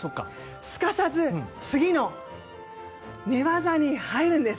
すかさず次の寝技に入るんです。